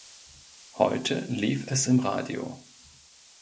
Heute lief es im Radio.